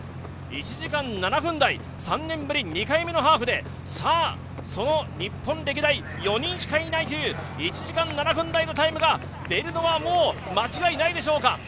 １時間７分台、３年ぶり２回目のハーフでさあその日本歴代４人しかいないという１時間７分台のタイムが出るのは間違いないでしょうか。